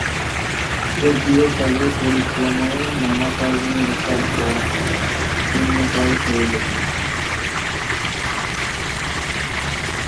যদিও কালের পরিক্রমায় নানা কারণে এসব বন শীর্ণকায় হয়ে গেছে।